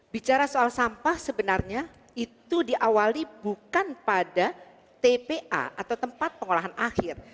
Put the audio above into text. bicara soal sampah sebenarnya itu diawali bukan pada tpa atau tempat pengolahan akhir